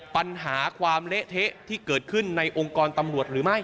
ปัญหาความเละเทะที่เกิดขึ้นในองค์กรตำรวจหรือไม่